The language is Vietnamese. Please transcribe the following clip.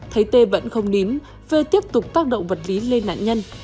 thấy t vẫn không nín vi tiếp tục tác động vật lý lên nạn nhân